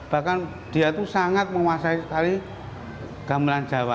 bahkan dia itu sangat menguasai sekali gamelan jawa